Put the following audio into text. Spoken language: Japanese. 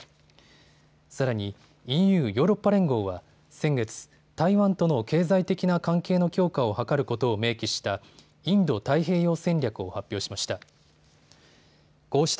さらにＥＵ・ヨーロッパ連合は先月、台湾との経済的な関係の強化を図ることを明記したインド太平洋戦略を発表しました。